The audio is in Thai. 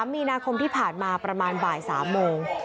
มีนาคมที่ผ่านมาประมาณบ่าย๓โมง